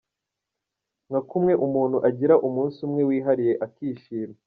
Nka kumwe umuntu agira umunsi umwe wihariye akishima.